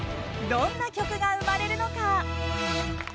どんな曲が生まれるのか？